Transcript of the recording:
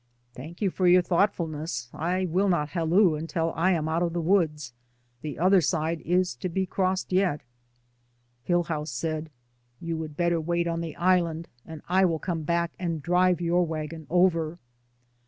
''Thank you for your thoughtfulness. I will not *halloo until I am out of the woods' — the other side is to be crossed yet." Hillhouse said, "You would better wait on the island, and I will come back and drive your wagon over."